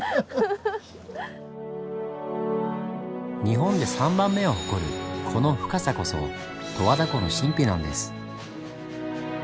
日本で３番目を誇るこの深さこそ十和田湖の神秘なんです。